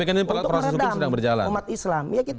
untuk meredam umat islam